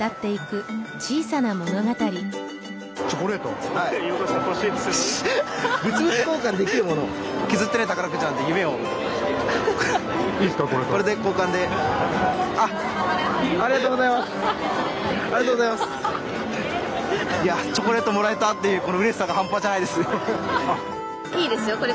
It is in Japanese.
いいですよ。